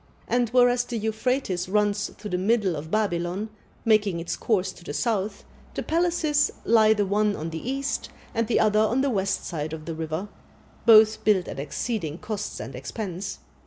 And whereas the Euphrates runs through the middle of Babylon, making its course to the south, the palaces lie the one on the east, and the other on the west side of the river; both built at exceeding costs and expense.